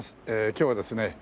今日はですね